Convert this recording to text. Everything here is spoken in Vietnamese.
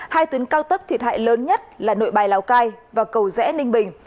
hai tuyến cao tốc thiệt hại lớn nhất là nội bài lào cai và cầu rẽ ninh bình